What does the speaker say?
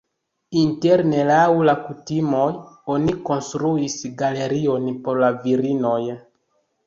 Interne laŭ la kutimoj oni konstruis galerion por la virinoj.